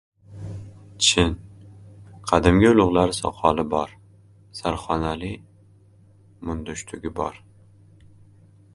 Chin, qadimgi ulug‘lar soqoli bor, sarxonali mundshtugi bor.